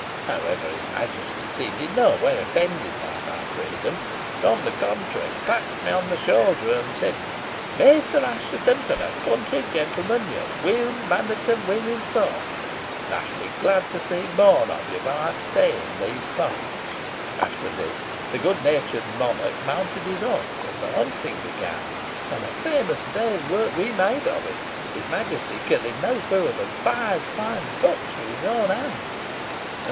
However, his Majesty seemed in no way offended by my freedom, but, on the contrary, clapped me on the shoulder, and said, 'Maister Assheton, for a country gentleman, you're weel mannered and weel informed, and I shall be glad to see more of you while I stay in these parts.' After this, the good natured monarch mounted his horse, and the hunting began, and a famous day's work we made of it, his Majesty killing no fewer than five fine bucks with his own hand."